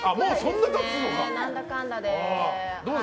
なんだかんだで。